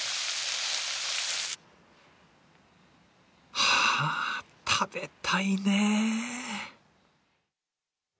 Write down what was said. はあ、食べたいね。